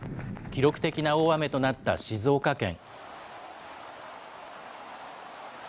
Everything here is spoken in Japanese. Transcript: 記録的な大雨となった静岡県。